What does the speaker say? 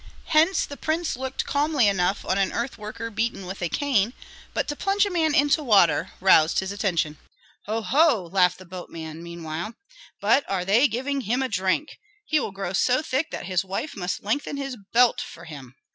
Hence the prince looked calmly enough on an earth worker beaten with a cane; but to plunge a man into water roused his attention. "Ho! ho!" laughed the boatman, meanwhile, "but are they giving him drink! He will grow so thick that his wife must lengthen his belt for him."